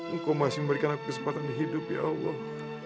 engkau masih memberikan kesempatan hidup ya allah